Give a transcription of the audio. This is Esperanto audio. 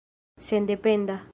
sendependa